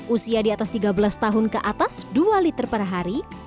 usia di atas tiga belas tahun ke atas dua liter per hari